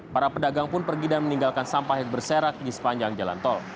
para pedagang pun pergi dan meninggalkan sampah yang berserak di sepanjang jalan tol